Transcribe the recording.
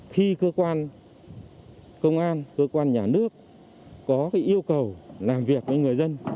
khi cơ quan công an cơ quan nhà nước có yêu cầu làm việc với người dân